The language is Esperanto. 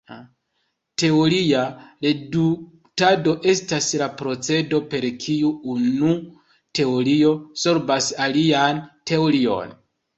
Teoria reduktado estas la procezo per kiu unu teorio sorbas alian teorion.